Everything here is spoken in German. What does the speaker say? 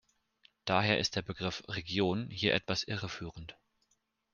Daher ist der Begriffe "Region" hier etwas irreführend.